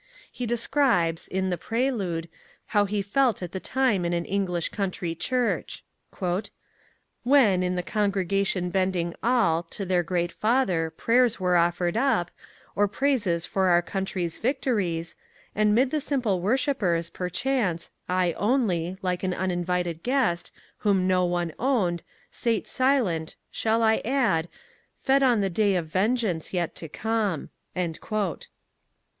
He describes, in The Prelude, how he felt at the time in an English country church: When, in the congregation bending all To their great Father, prayers were offered up, Or praises for our country's victories; And, 'mid the simple worshippers, perchance I only, like an uninvited guest Whom no one owned, sate silent, shall I add, Fed on the day of vengeance yet to come.